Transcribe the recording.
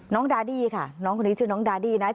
ดาดี้ค่ะน้องคนนี้ชื่อน้องดาดี้นะ